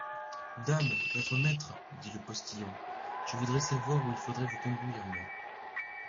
Dame ! notre maître, dit le postillon, je voudrais savoir où il faudrait vous conduire, moi.